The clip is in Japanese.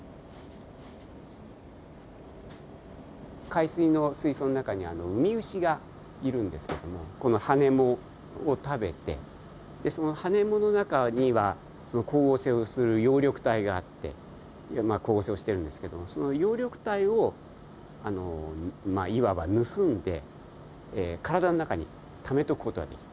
海水の水槽の中にウミウシがいるんですけどもこのハネモを食べてでそのハネモの中には光合成をする葉緑体があってまあ光合成をしてるんですけどもその葉緑体をまあいわば盗んで体の中にためておく事ができる。